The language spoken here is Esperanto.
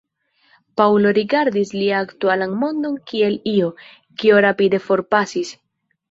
Paŭlo rigardis lia aktualan mondon kiel io, kio rapide forpasis.